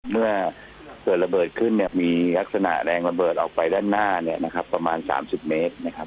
เมื่อเกิดระเบิดขึ้นมีลักษณะแรงระเบิดออกไปด้านหน้าประมาณ๓๐เมตร